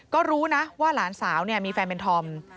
ก็รู้นะว่าหลานสาวมีแฟนเป็นธอม